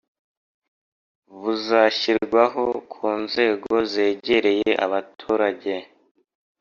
buzashyirwaho ku nzego zegereye abaturage.